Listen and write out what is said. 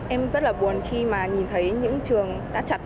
em rất là buồn khi mà nhìn thấy những trường đã chặt